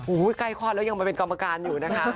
โอ้โหใกล้คลอดแล้วยังมาเป็นกรรมการอยู่นะคะ